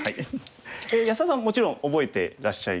安田さんはもちろん覚えてらっしゃいますよね。